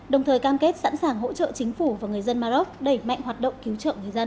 đồng thời cam kết sẵn sàng hỗ trợ chính phủ và người dân maroc đẩy mạnh hoạt động cứu trợ người dân